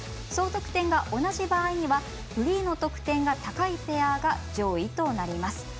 総得点が同じ場合にはフリーの得点が高いペアが上位となります。